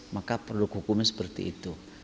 maka produk hukumnya seperti itu